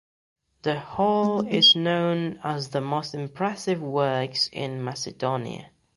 The Hall is known as the most impressive works in Macedonia.